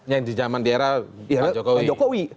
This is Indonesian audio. yang di zaman daerah pak jokowi